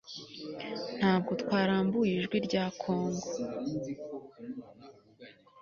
ntabwo twarambuye ijwi rya congo